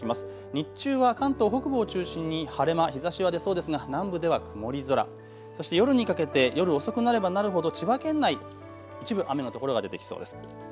日中は関東北部を中心に晴れ間、日ざしは出そうですが南部では曇り空、そして夜にかけて夜遅くなればなるほど千葉県内、一部、雨の所が出てきそうです。